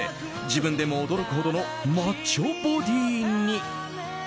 自分でも驚くほどのマッチョボディーに。